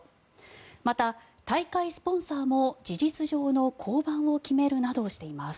また、大会スポンサーも事実上の降板を決めるなどしています。